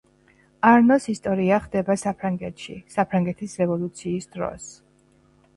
არნოს ისტორია ხდება საფრანგეთში, საფრანგეთის რევოლუციის დროს.